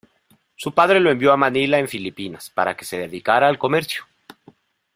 Su padre lo envió a Manila en Filipinas, para que se dedicara al comercio.